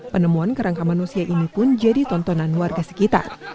penemuan kerangka manusia ini pun jadi tontonan warga sekitar